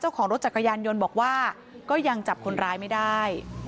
ของรถจักรยานยนต์บอกว่าก็ยังจับคนร้ายไม่ได้